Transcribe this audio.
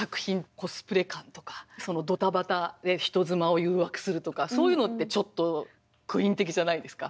コスプレ感とかドタバタで人妻を誘惑するとかそういうのってちょっとクイーン的じゃないですか。